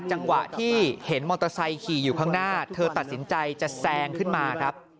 จังหวะที่เห็นมอเตอร์ไซค์ขี่อยู่ข้างหน้าเธอตัดสินใจจะแซงขึ้นมาครับ